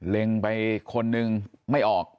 เล็งไปคนนึงไม่ออก